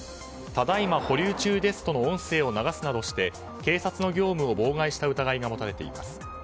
ただいま保留中ですとの音声を流すなどして警察の業務を妨害した疑いが持たれています。